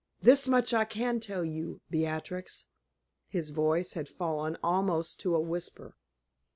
"This much I can tell you, Beatrix" his voice had fallen almost to a whisper.